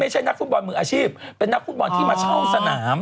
นักฟุตบอลมืออาชีพเป็นนักฟุตบอลที่มาเช่าสนาม